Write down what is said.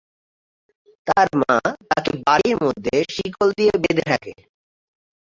তার মা তাকে বাড়ির মধ্যে শিকল দিয়ে বেঁধে রাখে।